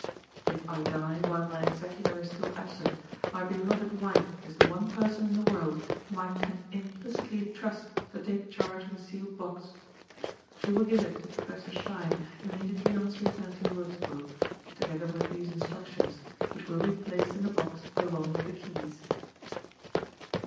"'If I die while my executor is still absent, my beloved wife is the one person in the world whom I can implicitly trust to take charge of the sealed box. She will give it to Professor Stein, immediately on his return to Wurzburg; together with these instructions, which will be placed in the box along with the keys.'"